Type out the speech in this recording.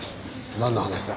なんの話だ？